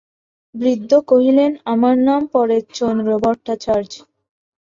বৃদ্ধ কহিলেন, আমার নাম পরেশচন্দ্র ভট্টাচার্য।